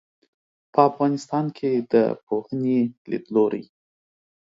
په افغانستان کې د پوهنې لیدلورى